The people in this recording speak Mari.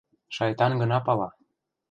— Шайтан гына пала...